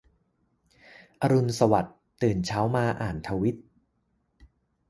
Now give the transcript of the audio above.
อรุณสวัสดิ์ ตื่นเช้ามาอ่านทวิต